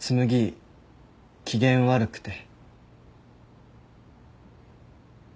紬機嫌悪くて。